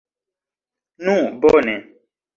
Nu bone!